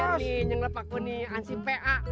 apa sih ya ini yang lepak gue ini ansi pa